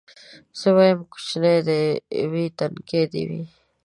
زه وايم کوچۍ دي وي نتکۍ دي وي